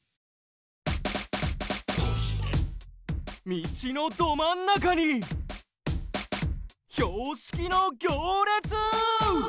みちのどまんなかに標識のぎょうれつ！